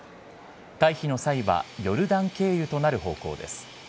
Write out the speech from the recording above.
退避の際は、ヨルダン経由となる方向です。